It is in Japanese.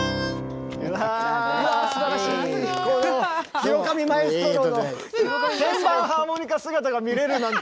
広上マエストロの鍵盤ハーモニカ姿が見れるなんて！